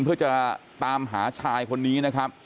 เพื่อจะตามหาชายคนนี้